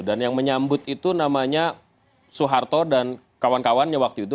dan yang menyambut itu namanya soeharto dan kawan kawannya waktu itu